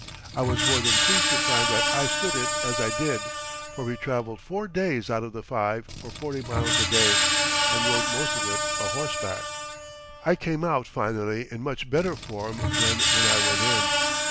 I was more than pleased to find that I stood it as I did, for we traveled four days out of the five for forty miles a day, and rode most of it a horseback. I came out finally in much better form than when I went in.